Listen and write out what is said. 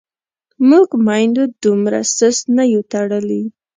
موږ میندو دومره سست نه یو تړلي.